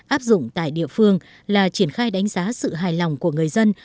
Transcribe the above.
áp dụng tại địa phương là triển khai đánh giá sự hài lòng của người dân